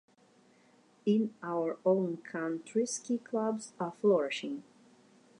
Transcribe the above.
In our own country ski clubs are flourishing.